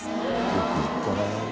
よく行ったなあ。